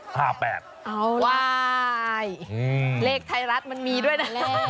ว้ายเลขไทยรัฐมันมีด้วยนะ